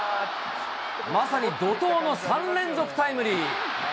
まさに怒とうの３連続タイムリー。